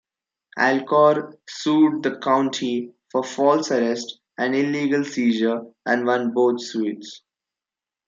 Alcor sued the county for false arrest and illegal seizure and won both suits.